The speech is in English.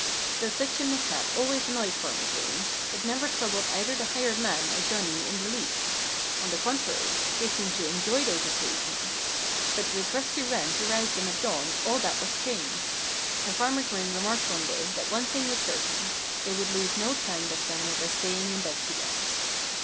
Though such a mishap always annoyed Farmer Green, it never troubled either the hired man or Johnnie in the least. On the contrary, they seemed to enjoy those occasions. But with Rusty Wren to rouse them at dawn all that was changed. And Farmer Green remarked one day that one thing was certain; they would lose no time that summer by staying in bed too long.